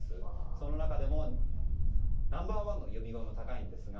その中でもナンバーワンの呼び声も高いんですが